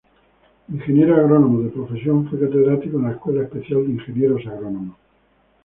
Ingeniero agrónomo de profesión fue catedrático en la Escuela Especial de Ingenieros agrónomos.